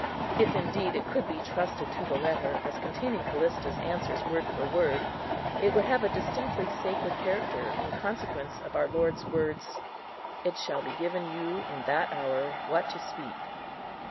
If, indeed, it could be trusted to the letter, as containing Callista's answers word for word, it would have a distinctly sacred character, in consequence of our Lord's words, "It shall be given you in that hour what to speak."